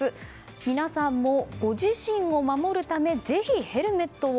皆さんもご自身を守るためぜひヘルメットを。